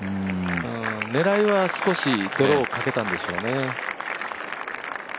狙いは少しドローをかけたんでしょうね。